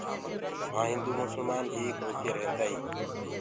وهآن هندو مسلمآن ايڪ هوڪي ريهدآئين